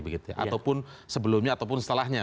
ataupun sebelumnya ataupun setelahnya